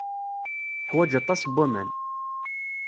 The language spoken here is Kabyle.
Teḥwaj aṭas n waman.